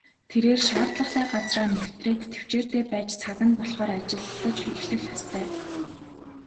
Тэрээр шаардлагатай газраа нэвтрээд тэвчээртэй байж цаг нь болохоор ажиллаж эхлэх ёстой.